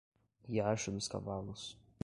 Riacho dos Cavalos